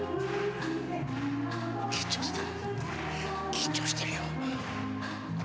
緊張してる。